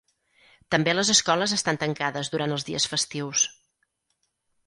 També les escoles estan tancades durant els dies festius.